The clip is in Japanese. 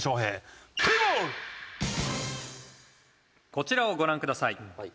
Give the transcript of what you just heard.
「こちらをご覧ください」